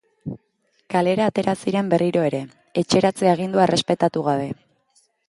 Kalera atera ziren berriro ere, etxeratze-agindua errespetatu gabe.